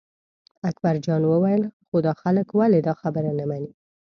اکبرجان وویل خو دا خلک ولې دا خبره نه مني.